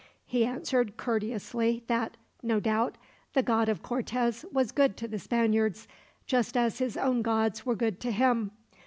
He answered courteously that, no doubt, the god of Cortez was good to the Spaniards, just as his own gods were good to him.